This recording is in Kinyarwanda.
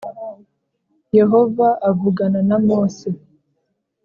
Yehova avugana na Mose